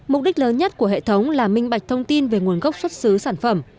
mục đích lớn nhất của hệ thống là minh bạch thông tin về nguồn gốc xuất xứ sản phẩm